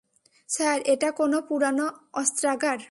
Sir, এটা কোনো পুরানো অস্ত্রাগার।